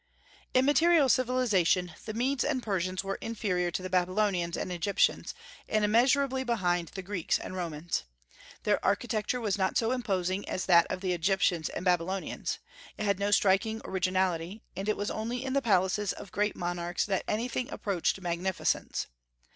In material civilization the Medes and Persians were inferior to the Babylonians and Egyptians, and immeasurably behind the Greeks and Romans. Their architecture was not so imposing as that of the Egyptians and Babylonians; it had no striking originality, and it was only in the palaces of great monarchs that anything approached magnificence.